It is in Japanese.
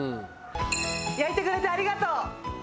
焼いてくれてありがとう！